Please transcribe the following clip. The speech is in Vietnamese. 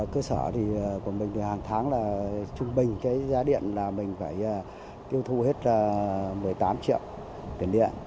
cơ sở thì của mình thì hàng tháng là trung bình cái giá điện là mình phải tiêu thu hết một mươi tám triệu tiền điện